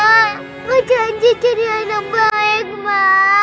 aku janji jadi anak baik ma